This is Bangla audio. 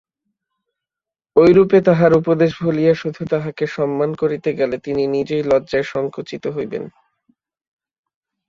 ঐরূপে তাঁহার উপদেশ ভুলিয়া শুধু তাঁহাকে সম্মান করিতে গেলে তিনি নিজেই লজ্জায় সঙ্কুচিত হইতেন।